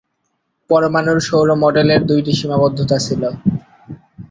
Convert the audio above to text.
পরমাণুর সৌর মডেলের দুটি সীমাবদ্ধতা ছিলো।